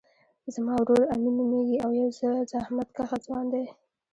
زما ورور امین نومیږی او یو زحمت کښه ځوان دی